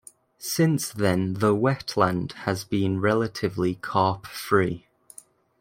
Since then the wetland has been relatively carp free.